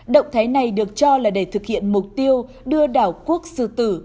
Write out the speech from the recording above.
động thái này được cho là để thực hiện mục tiêu đưa đảo quốc sư tử